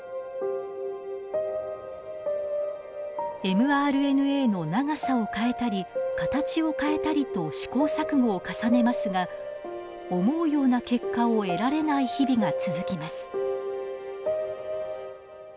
ｍＲＮＡの長さを変えたり形を変えたりと試行錯誤を重ねますが思うような結果を得られない日々が続きます。